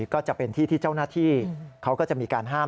ก็จะเป็นที่ที่เจ้าหน้าที่เขาก็จะมีการห้าม